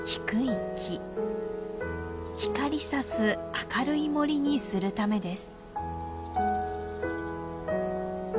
光さす明るい森にするためです。